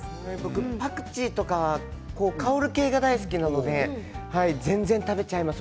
パクチーとか香る系が大好きなので全然食べちゃいます。